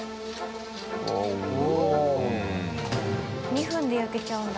２分で焼けちゃうんだ。